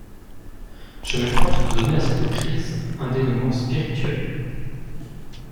Je m'efforce de donner à cette crise un dénoûment spirituel.